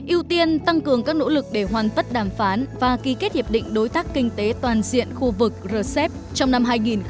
ưu tiên tăng cường các nỗ lực để hoàn tất đàm phán và ký kết hiệp định đối tác kinh tế toàn diện khu vực rcep trong năm hai nghìn hai mươi